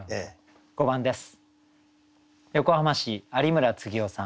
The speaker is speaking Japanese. ５番です。